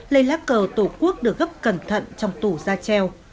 lấy lá cờ tổ quốc được gấp cẩn thận trong tủ ra treo